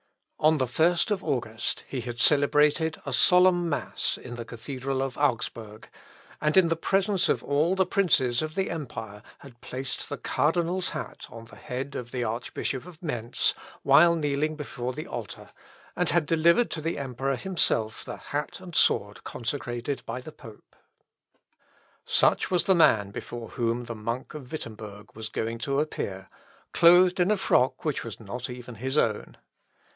On the first of August, he had celebrated a solemn mass in the cathedral of Augsburg, and in presence of all the princes of the empire, had placed the cardinal's hat on the head of the Archbishop of Mentz while kneeling before the altar, and had delivered to the Emperor himself the hat and sword consecrated by the pope. Such was the man before whom the monk of Wittemberg was going to appear, clothed in a frock which was not even his own.